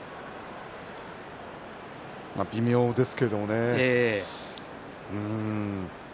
微妙ですけれどもね。